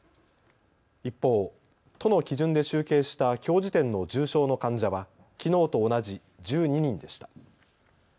一方、都の基準で集計したきょう時点の重症の患者はきのうと同じ１２人でした。